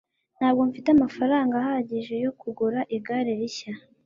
ntabwo mfite amafaranga ahagije yo kugura igare rishya